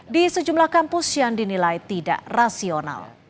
di sejumlah kampus yang dinilai tidak rasional